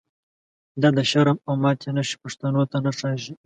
دا دشرم او ماتی نښی، پښتنوته نه ښاییږی